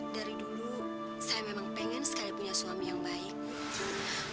dari dulu saya memang pengen sekali punya suami yang baik